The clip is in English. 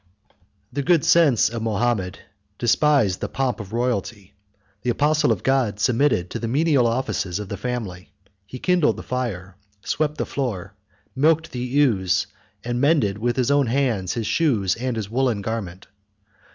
The good sense of Mahomet 158 despised the pomp of royalty: the apostle of God submitted to the menial offices of the family: he kindled the fire, swept the floor, milked the ewes, and mended with his own hands his shoes and his woollen garment.